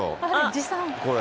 持参？